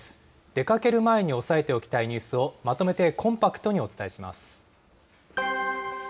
出かける前に押さえておきたいニュースを、まとめてコンパクトにお伝えします。